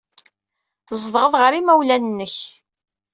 Tzedɣeḍ ɣer yimawlan-nnek.